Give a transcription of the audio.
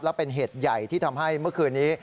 และเป็นเหตุใหญ่ที่ทำให้เมื่อคืนนี้